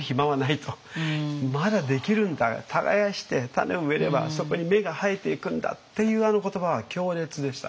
そうだ耕して種を植えればそこに芽が生えていくんだっていうあの言葉は強烈でしたね。